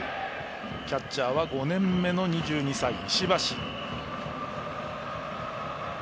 キャッチャーは５年目の２２歳、石橋。